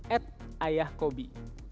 at ayah kobi